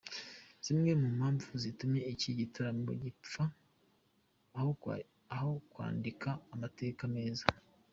Zimwe mu mpamvu zatumye iki gitaramo gipfa aho kwandika amateka meza.